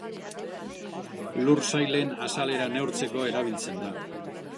Lur-sailen azalera neurtzeko erabiltzen da.